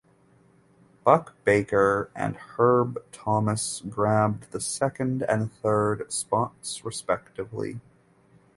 Buck Baker and Herb Thomas grabbed the second and third spots respectively.